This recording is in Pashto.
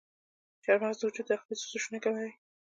چارمغز د وجود داخلي سوزشونه کموي.